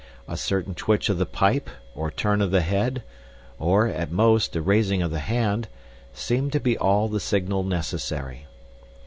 A certain twitch of the pipe, or turn of the head, or, at most, a raising of the hand, seemed to be all the signal necessary.